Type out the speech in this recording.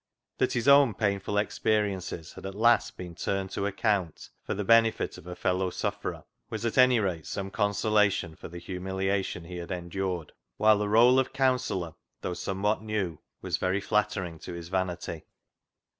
That his own painful experiences had at last been turned to account for the benefit of a fellow sufferer was at anyrate some consola tion for the humiliation he had endured, whilst the role of counsellor, though somewhat new, was very flattering to his vanity.